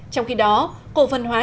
trong khi đó cổ văn hóa